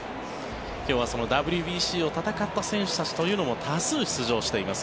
今日はそのＷＢＣを戦った選手たちというのも多数、出場しています